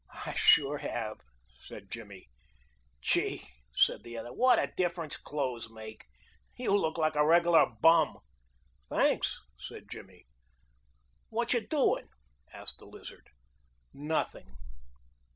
"I sure have," said Jimmy. "Gee," said the other, "what a difference clothes make! You look like a regular bum." "Thanks," said Jimmy. "What you doin'?" asked the Lizard. "Nothing."